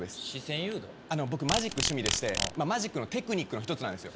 僕マジック趣味でしてマジックのテクニックの１つなんですよ。